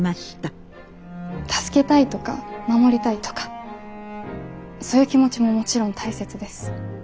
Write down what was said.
助けたいとか守りたいとかそういう気持ちももちろん大切です。